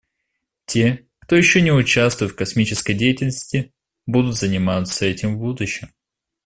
Те, кто еще не участвует в космической деятельности, будут заниматься этим в будущем.